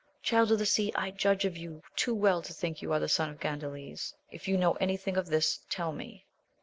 Child of the Sea, I judge of you too well to think you are the son of Gandales : if you know any thing of this, tell me.